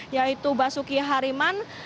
yaitu basuki hariman